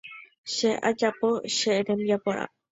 Che ajapo che rembiaporã.